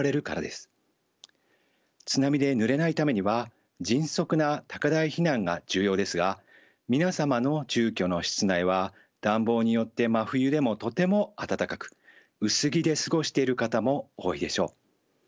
津波でぬれないためには迅速な高台避難が重要ですが皆様の住居の室内は暖房によって真冬でもとても暖かく薄着で過ごしている方も多いでしょう。